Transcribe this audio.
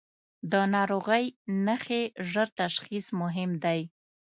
د ناروغۍ نښې ژر تشخیص مهم دي.